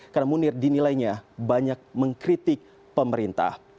karena munir dinilainya banyak mengkritik pemerintah